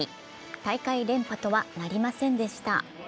大会連覇とはなりませんでした。